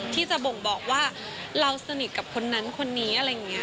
ที่จะบ่งบอกว่าเราสนิทกับคนนั้นคนนี้อะไรอย่างนี้